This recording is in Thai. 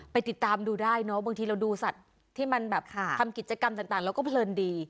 ติดตามดูได้เนอะบางทีเราดูสัตว์ที่มันแบบทำกิจกรรมต่างเราก็เพลินดี